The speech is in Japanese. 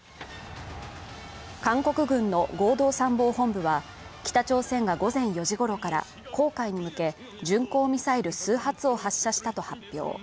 韓国軍の合同参謀本部は北朝鮮が午前４時ごろから黄海に向け巡航ミサイル数発を発射したと発表